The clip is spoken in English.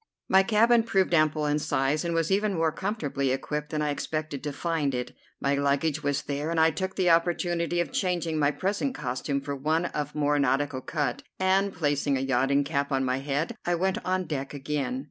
My cabin proved ample in size, and was even more comfortably equipped than I expected to find it. My luggage was there, and I took the opportunity of changing my present costume for one of more nautical cut, and, placing a yachting cap on my head, I went on deck again.